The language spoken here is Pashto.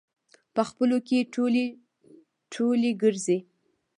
په خپلو کې ټولی ټولی ګرځي.